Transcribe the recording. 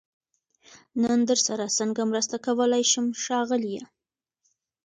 نن درسره سنګه مرسته کولای شم ښاغليه🤗